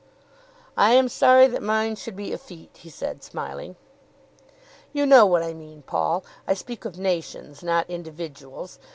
"I am sorry that mine should be effete," he said smiling. "You know what I mean, Paul. I speak of nations, not individuals.